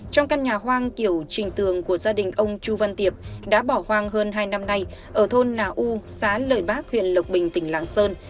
trong căn nhà hoang kiểu trình tường của gia đình ông chu văn tiệp đã bỏ hoang hơn hai năm nay ở thôn nà u xã lợi bác huyện lộc bình tỉnh lạng sơn